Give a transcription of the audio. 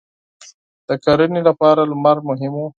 • د کرنې لپاره لمر مهم و.